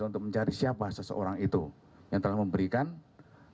untuk mencari siapa seseorang itu yang telah memberikan penyelidikan yang success oh ini lagi